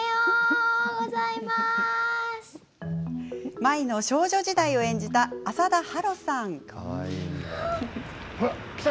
舞の少女時代を演じた浅田芭路さん。